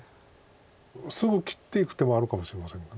すぐ切っていく手もあるかもしれませんけど。